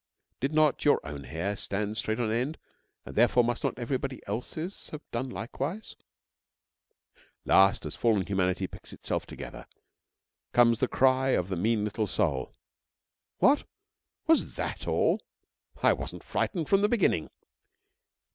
(Did not your own hair stand straight on end, and, therefore, must not everybody else's have done likewise?) Last, as fallen humanity picks itself together, comes the cry of the mean little soul: 'What! Was that all? I wasn't frightened from the beginning.'